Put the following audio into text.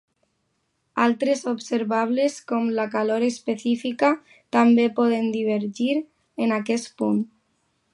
Altres observables, com la calor específica, també poden divergir en aquest punt.